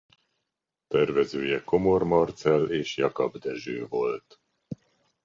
Tervezője Komor Marcell és Jakab Dezső volt.